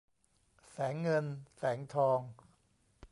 แสงเงินแสงทอง